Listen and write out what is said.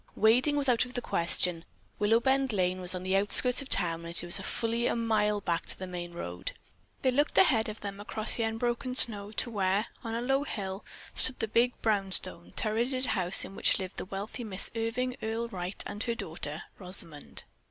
Wading was out of the question. Willowbend Lane was on the outskirts of town and it was fully a mile back to the main road. They looked ahead of them across the unbroken snow to where, on a low hill, stood the big brownstone, turreted house in which lived the wealthy Mrs. Irving Earle Wright and her daughter, Rosamond.